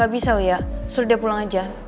gak bisa uya sudah pulang aja